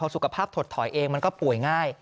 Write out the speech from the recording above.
สุขภาพถดถอยเองมันก็ป่วยง่าย